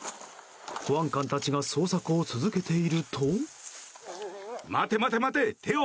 保安官たちが捜索を続けていると。